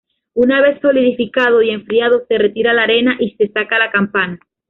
Una vez solidificado y enfriado, se retira la arena y se saca la campana.